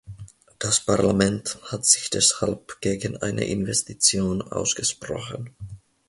Das Parlament hat sich deshalb gegen eine Investition ausgesprochen.